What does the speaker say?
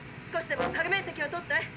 少しでも影面積を取って」。